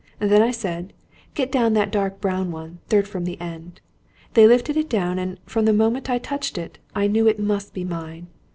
Then I said: 'Get down that dark brown one, third from the end.' They lifted it down, and, from the moment I touched it, I knew it must be mine!